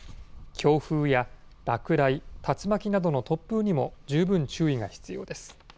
強風や落雷竜巻などの突風にも十分注意が必要です。